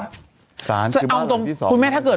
เอาตรงคุณแม่ถ้าเกิด